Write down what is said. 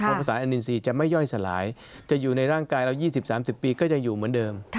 เพราะภาษาอนินทรีย์จะไม่ย่อยสลายจะอยู่ในร่างกายเรา๒๐๓๐ปีก็จะอยู่เหมือนเดิม